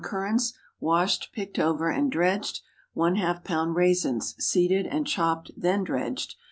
currants—washed, picked over, and dredged. ½ lb. raisins—seeded and chopped, then dredged.